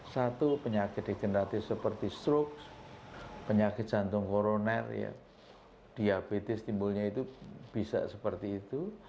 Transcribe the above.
satu penyakit degeneratif seperti stroke penyakit jantung koroner diabetes timbulnya itu bisa seperti itu